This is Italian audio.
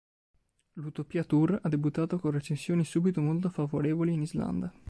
L"'Utopia Tour" ha debuttato con recensioni subito molto favorevoli in Islanda.